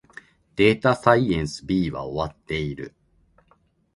データサイエンス B は終わっている